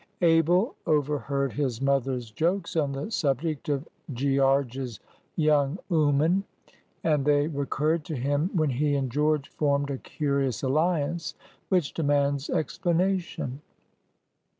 Abel overheard his mother's jokes on the subject of "Gearge's young 'ooman," and they recurred to him when he and George formed a curious alliance, which demands explanation.